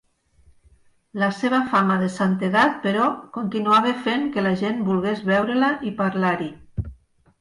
La seva fama de santedat, però, continuava fent que la gent volgués veure-la i parlar-hi.